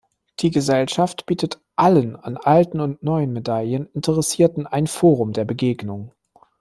Die Gesellschaft bietet allen an alten und neuen Medaillen Interessierten ein Forum der Begegnung.